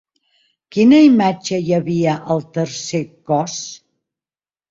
Quina imatge hi havia al tercer cós?